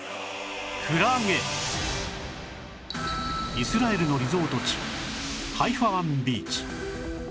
イスラエルのリゾート地ハイファ湾ビーチ